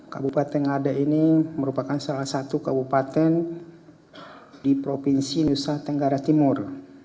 kabupaten ngada ini merupakan salah satu kabupaten di provinsi nusa tenggara timur